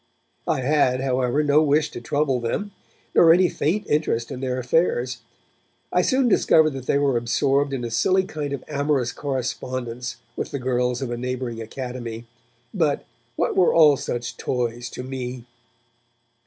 I had, however, no wish to trouble them, nor any faint interest in their affairs. I soon discovered that they were absorbed in a silly kind of amorous correspondence with the girls of a neighbouring academy, but 'what were all such toys to me?'